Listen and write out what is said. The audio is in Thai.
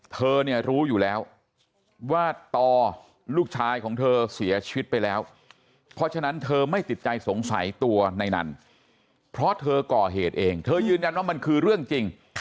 เธอเนี่ยรู้อยู่แล้วว่าต่อลูกชายของเธอเสียชีวิตไปแล้วเพราะฉะนั้นเธอไม่ติดใจสงสัยตัวในนั้นเพราะเธอก่อเหตุเองเธอยืนยันว่ามันคือเรื่องจริง